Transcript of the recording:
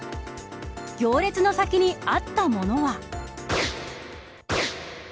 行列の先にあったものは。